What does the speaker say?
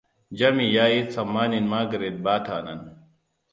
Jami ya yi tsammanin Margret bata nan.